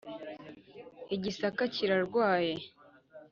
i gisaka kirarwaye